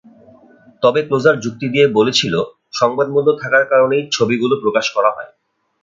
তবেক্লোজার যুক্তি দিয়ে বলেছিল, সংবাদমূল্য থাকার কারণেই ছবিগুলো প্রকাশ করা হয়।